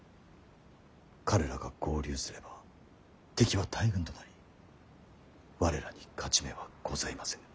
彼らが合流すれば敵は大軍となり我らに勝ち目はございませぬ。